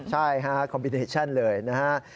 ใช่ฮะคอมมิเนชั่นเลยนะฮะ